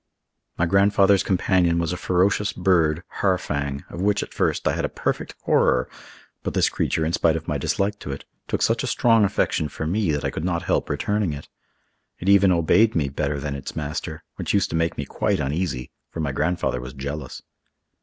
My grandfather's companion was a ferocious bird, Harfang, of which, at first, I had a perfect horror; but this creature, in spite of my dislike to it, took such a strong affection for me, that I could not help returning it. It even obeyed me better than its master, which used to make me quite uneasy, for my grandfather was jealous.